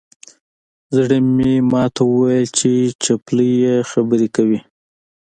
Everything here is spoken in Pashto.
زوی مې ماته وویل چې چپلۍ یې خبرې کوي.